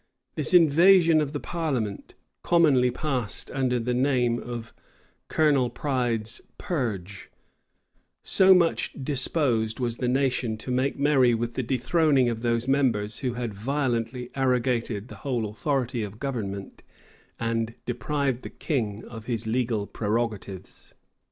This invasion of the parliament commonly passed under the name of "Colonel Pride's Purge;" so much disposed was the nation to make merry with the dethroning of those members who had violently arrogated the whole authority of government, and deprived the king of his legal prerogatives.